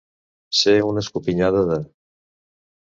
Ser una escopinyada de.